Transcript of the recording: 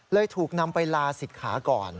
ถูกนำไปลาศิกขาก่อน